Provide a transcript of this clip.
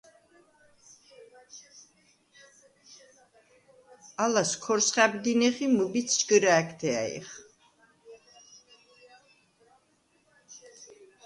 ალას ქორს ხა̈ბდინეხ ი მჷბიდს ჯგჷრა̄̈გთე ა̈ჲხ.